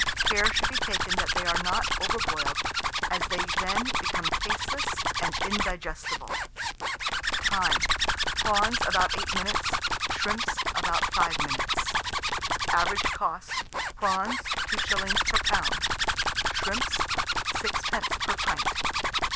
Care should be taken that they are not over boiled, as they then become tasteless and indigestible. Time. Prawns, about 8 minutes; shrimps, about 5 minutes. Average cost, prawns, 2s. per lb.; shrimps, 6d. per pint.